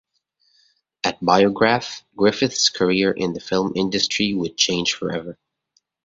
At Biograph, Griffith's career in the film industry would change forever.